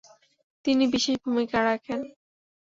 তিনি বিশেষ ভূমিকা রাখেন।